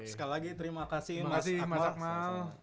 sekali lagi terima kasih mas akmal